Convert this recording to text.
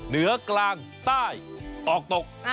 เหนือกลางใต้ออกตก